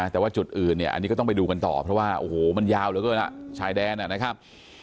แต่ว่าจุดอื่นเนี่ยอันนี้ก็ต้องไปดูกันต่อเพราะว่าโอ้โหมันยาวเหลือเกินชายแดนนะครับ